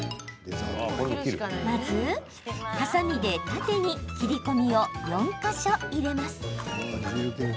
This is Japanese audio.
まず、はさみで縦に切り込みを４か所入れます。